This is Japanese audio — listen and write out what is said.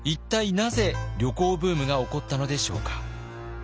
なぜ旅行ブームが起こったのでしょうか。